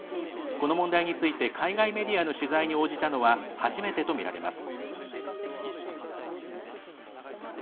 この問題について海外メディアの取材に応じたのは初めてとみられます。